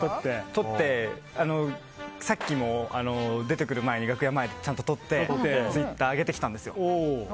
撮って、さっきも出てくる前に楽屋前でちゃんと撮って、ツイッターに上げてきたんですよ。